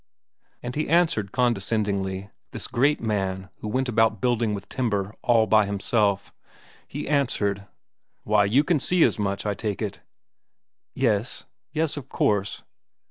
And he answered condescendingly, this great man who went about building with timber all by himself, he answered: "Why, you can see as much, I take it." "Yes.... Yes, of course."